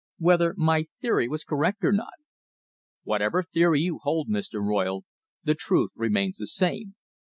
"Whether my theory was correct or not." "Whatever theory you hold, Mr. Royle, the truth remains the same.